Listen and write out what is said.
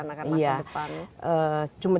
cuma tidak boleh diperjanjikan